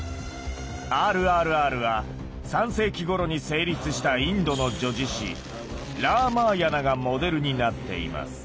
「ＲＲＲ」は３世紀ごろに成立したインドの叙事詩「ラーマーヤナ」がモデルになっています。